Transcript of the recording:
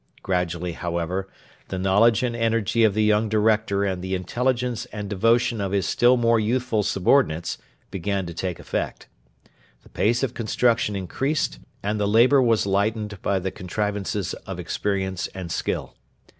Gradually, however, the knowledge and energy of the young director and the intelligence and devotion of his still more youthful subordinates began to take effect. The pace of construction increased, and the labour was lightened by the contrivances of experience and skill.